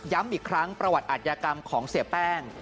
อีกครั้งประวัติอาทยากรรมของเสียแป้ง